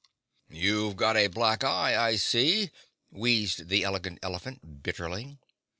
"You've got a black eye, I see," wheezed the Elegant Elephant bitterly.